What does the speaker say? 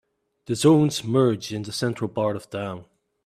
The zones merge in the central part of town.